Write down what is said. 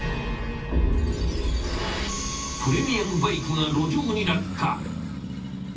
［プレミアムバイクが路上に落下］